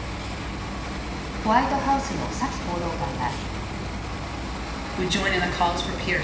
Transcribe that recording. ホワイトハウスのサキ報道官は。